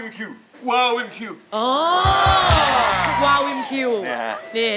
นี่ค่ะนี่มาที